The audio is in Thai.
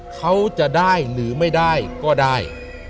เขาจะได้หรือไม่ได้ก็ได้